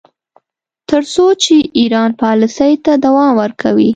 تر څو چې ایران پالیسۍ ته دوام ورکوي.